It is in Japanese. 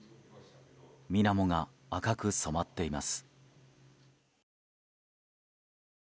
水面が赤く染まっています。